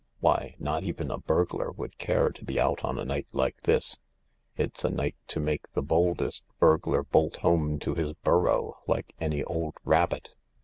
Why, not even a burglar would care to be out on a night like this. It's a night to make the boldest burglar bolt home to his burrow like any old rabbit.